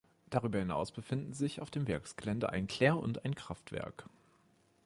Darüber hinaus befinden sich auf dem Werksgelände ein Klär- und ein Kraftwerk.